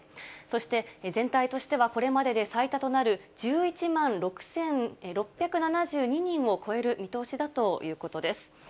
そして全体としてはこれまでで最多となる、１１万６７２人を超える見通しだということです。